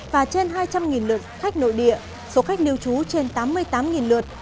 và trên hai trăm linh lượt khách nội địa số khách nêu trú trên tám mươi tám lượt